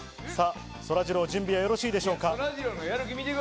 そらジロー、準備はよろしいでしょうか？